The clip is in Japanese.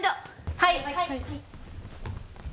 はい！